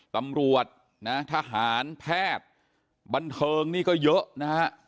ตำรวจนะทหารแพทย์บันเทิงนี่ก็เยอะนะฮะ